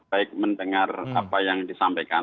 saya tidak cukup baik mendengar apa yang disampaikan